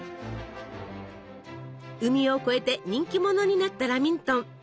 海を越えて人気者になったラミントン。